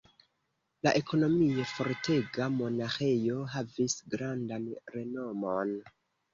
La ekonomie fortega monaĥejo havis grandan renomon.